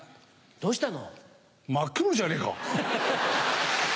どうしたの？